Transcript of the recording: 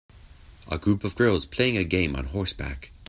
A group of girls playing a game on horseback.